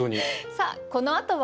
さあこのあとは？